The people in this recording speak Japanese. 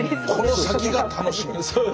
この先が楽しみです。